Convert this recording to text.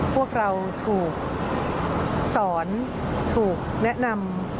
พวกเราถูกสอนถูกแนะนำ